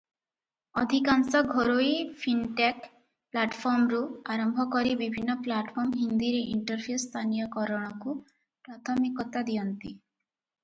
ଅଧିକାଂଶ ଘରୋଇ ଫିନଟେକ ପ୍ଲାଟଫର୍ମରୁ ଆରମ୍ଭ କରି ବିଭିନ୍ନ ପ୍ଲାଟଫର୍ମ ହିନ୍ଦୀରେ ଇଣ୍ଟରଫେସ ସ୍ଥାନୀୟକରଣକୁ ପ୍ରାଥମିକତା ଦିଅନ୍ତି ।